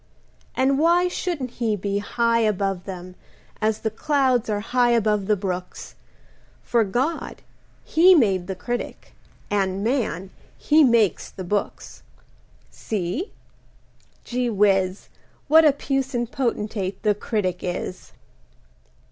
And why Shouldn't he be high Above them as the clouds Are high above the brooks, For God, He made the Critic, And man, he makes the books. See? Gee whiz, What a puissant potentate the Critic is.